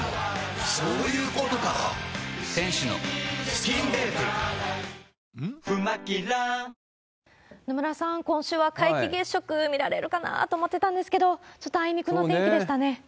梅雨入りしている西日本、東海地方は、今週は皆既月食、見られるかなと思ってたんですけど、ちょっとあいにくのお天気でしたね。